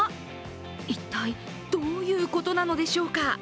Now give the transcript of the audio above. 一体どういうことなのでしょうか？